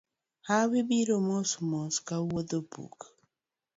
Hawi biro mos mos ka wuodh opuk.